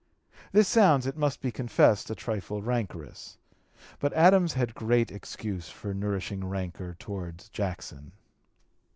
This sounds, it must be confessed, a trifle rancorous; but Adams had great excuse for nourishing rancor towards Jackson.